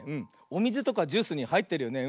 おみずとかジュースにはいってるよね。